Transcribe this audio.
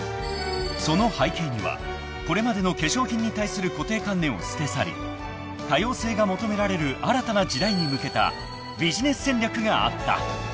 ［その背景にはこれまでの化粧品に対する固定観念を捨て去り多様性が求められる新たな時代に向けたビジネス戦略があった］